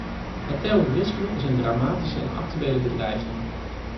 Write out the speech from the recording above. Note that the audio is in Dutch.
Het terrorisme is een dramatische en actuele bedreiging.